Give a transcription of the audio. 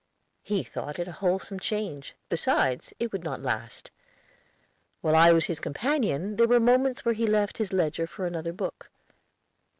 He thought it a wholesome change; besides, it would not last. While I was his companion there were moments when he left his ledger for another book.